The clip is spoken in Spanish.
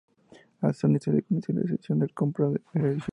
A Sony se le concedió la opción de comprar el edificio.